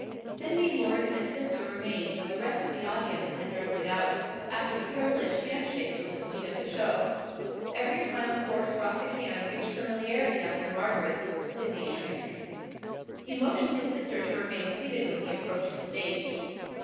Sydney Lord and his sister remained when the rest of the audience had drifted out, after the privileged hand shakes with the queen of the show. Every time a coarse, rustic hand reached familiarly after Margaret's, Sydney shrank. He motioned his sister to remain seated when he approached the stage.